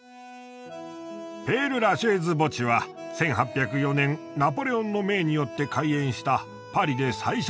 ペール・ラシェーズ墓地は１８０４年ナポレオンの命によって開園したパリで最初の市民霊園です。